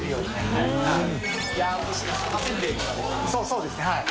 そうですねはい。